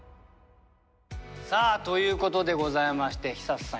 さあということでございまして寿人さん